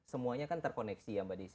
semuanya kan terkoneksi ya mbak desi